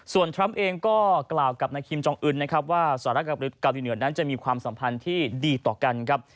ส่วนทรัมป์เองก็กล่าวกับนายคิมจองอื่นนะครับว่าสหรัฐกับเกาหลีเหนือนั้นจะมีความสัมพันธ์ที่ดีต่อกันครับ